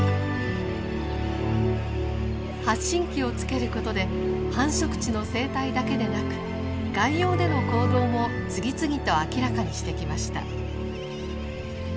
発信器を付けることで繁殖地の生態だけでなく外洋での行動も次々と明らかにしてきました。